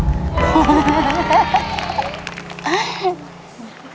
ไม่เป็นไร